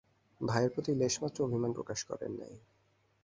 ভাইয়ের প্রতি লেশমাত্র অভিমান প্রকাশ করেন নাই।